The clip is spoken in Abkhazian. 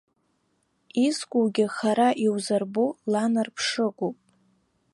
Искугьы хара иузырбо ланарԥшыгоуп.